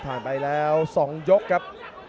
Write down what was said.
ผ่านไปแล้ว๒ยกครับ